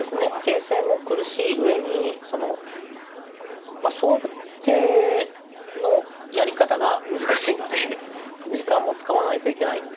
形勢も苦しい上にその勝負手のやり方が難しいので時間も使わないといけないんですよね